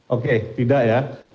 oke tidak ya